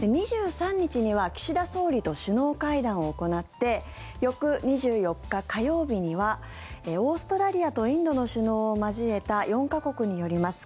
２３日には岸田総理と首脳会談を行って翌２４日、火曜日にはオーストラリアとインドの首脳を交えた４か国によります